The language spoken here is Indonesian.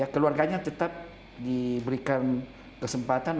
keluarganya tetap diberikan kesempatan